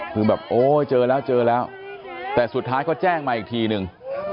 คือแบบโอ้เจอแล้วเจอแล้วแต่สุดท้ายเขาแจ้งมาอีกทีนึง